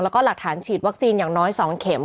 แล้วก็หลักฐานฉีดวัคซีนอย่างน้อย๒เข็ม